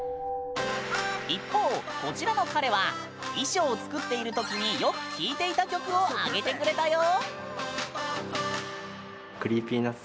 一方、こちらの彼は衣装を作っている時によく聴いていた曲を挙げてくれたよ。